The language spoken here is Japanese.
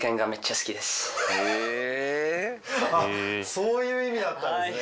そういう意味だったんですね。